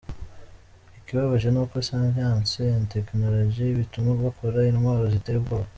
Ikibabaje nuko Sciences & Techonology bituma bakora intwaro ziteye ubwoba.